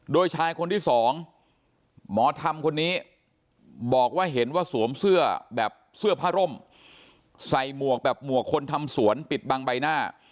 โดยชายคนที่สองหมอธรรมคนนี้บอกว่าเห็นว่าสวมเสื้อแบบเสื้อผ้าร่มใส่หมวกแบบหมวกคนทำสวนปิดบังใบหน้า